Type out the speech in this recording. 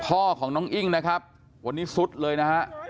พ่อของน้องอิ้งนะครับวันนี้สุดเลยนะฮะ